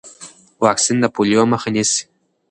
واکسین د پولیو مخه نیسي۔